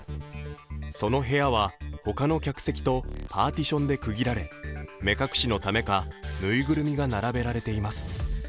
その部屋は、他の客席とパーティションで区切られ目隠しのためかぬいぐるみが並べられています。